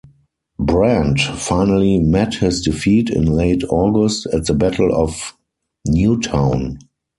Brant finally met his defeat in late August at the Battle of Newtown.